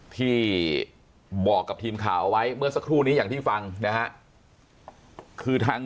ที่บอกกับทีมข่าวเอาไว้เมื่อสักครู่นี้อย่างที่ฟังนะฮะคือทาง